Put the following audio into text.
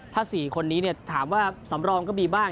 ถ้าสี่คนนี้เนี่ยถามว่าสำรองก็มีบ้าง